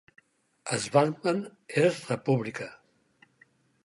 Schwarzman és republicà.